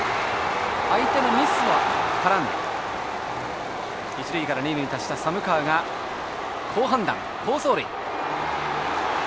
相手のミスも絡んで一塁から二塁に達した寒川が好判断、好走塁。